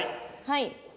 はい。